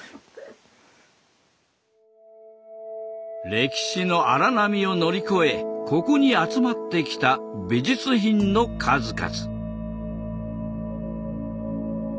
歴史の荒波を乗り越えここに集まってきた美術品の数々。